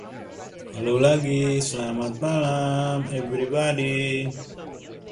For political and evidentiary reasons it never took place.